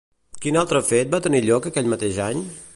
Quin altre fet va tenir lloc aquell mateix any?